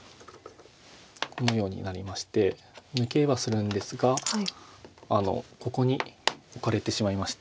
このようになりまして抜けはするんですがここにオカれてしまいまして。